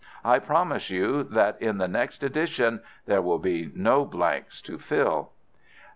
I promise you that in the next edition there will be no blanks to fill.